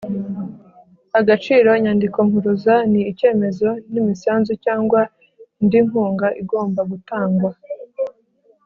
agaciro inyandikompuruza ni icyemezo n imisanzu cyangwa indi nkunga igomba gutangwa